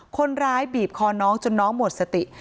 คนร้ายบีบคอน้องจนน้องหมดสติ